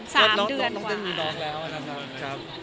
สามเดือนกว่า